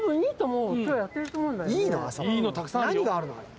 いいのたくさんあるよ。